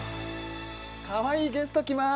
かわいいゲスト来ます！